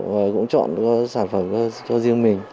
và cũng chọn sản phẩm cho riêng mình